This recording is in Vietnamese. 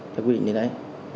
thế quy định như thế đấy